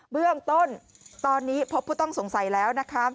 เบื้องต้นตอนนี้พบผู้ต้องสงสัยแล้วนะคะ